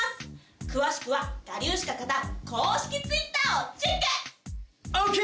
詳しくは『我流しか勝たん！』公式Ｔｗｉｔｔｅｒをチェック！ＯＫ！ＯＫ！